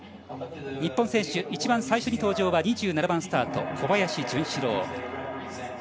日本選手、一番最初に登場は２７番スタート、小林潤志郎。